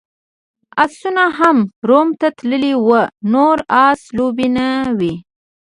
اسونه هم روم ته تللي وو، نور اس لوبې نه وې.